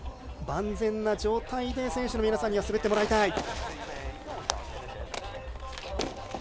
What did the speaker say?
万全な状態で選手の皆さんには滑ってもらいたい。